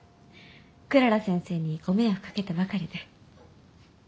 クララ先生にご迷惑かけてばかりで。